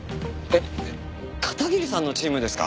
えっ片桐さんのチームですか？